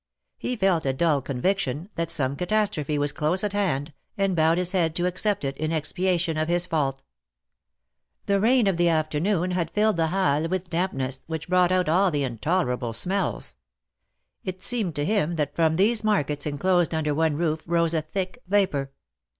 He felt a dull conviction that some catas trophe was close at hand, and bowed his head to accept it in expiation of his fault. The rain of the afternoon had filled the Halles with dampness, which brought out all the intolerable smells. It seemed to him that from these markets enclosed under one roof, rose a thick vapor.